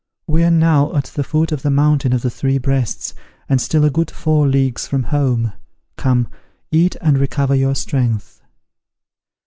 We are now at the foot of the mountain of the Three Breasts, and still a good four leagues from home. Come, eat, and recover your strength."